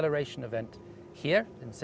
membuat ini terjadi